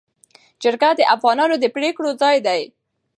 جرګه د افغانانو د پرېکړو ځای دی.